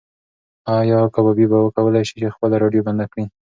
ایا کبابي به وکولی شي چې خپله راډیو بنده کړي؟